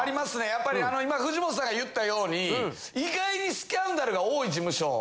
やっぱり今藤本さんが言ったように意外にスキャンダルが多い事務所。